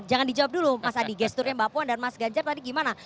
jangan dijawab dulu mas adi gesturnya mbak puan dan mas ganjar tadi gimana